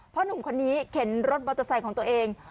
หนุ่มคนนี้เข็นรถมอเตอร์ไซค์ของตัวเอง